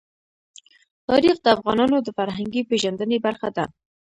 تاریخ د افغانانو د فرهنګي پیژندنې برخه ده.